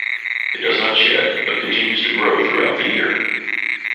It does not shed but continues to grow throughout the year.